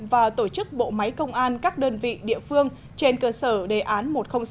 và tổ chức bộ máy công an các đơn vị địa phương trên cơ sở đề án một trăm linh sáu